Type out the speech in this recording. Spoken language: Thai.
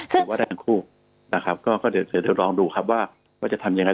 หรือว่าแรงคู่ก็เดี๋ยวลองดูครับว่าจะทำอย่างไร